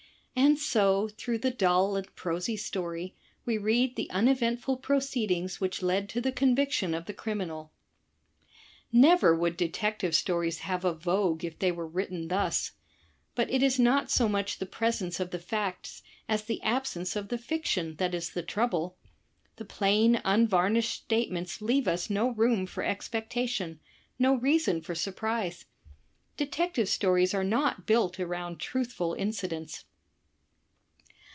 p And so, through the dull and prosy story, we read the imeventful proceedings which led to the conviction of the criminal. Never would Detective Stories have a vogue if they were written thus. But it is not so much the presence of the facts as the absence of the fiction that is the trouble. The plain unvarnished statements leave us no room for expectation, no reason for surprise. Detective Stories are not built aroimd truthful incidents.